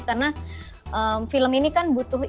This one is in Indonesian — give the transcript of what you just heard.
karena film ini kan butuh